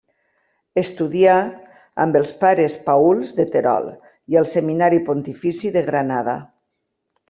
Estudià amb els pares Paüls de Terol i al Seminari Pontifici de Granada.